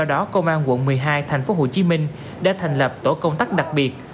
đã thành lập tổ công tác đặc biệt